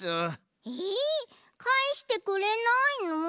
えかえしてくれないの？